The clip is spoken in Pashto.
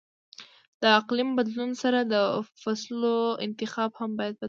د اقلیم له بدلون سره د فصلو انتخاب هم باید بدل شي.